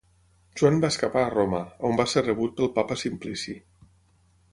Joan va escapar a Roma, on va ser rebut pel Papa Simplici.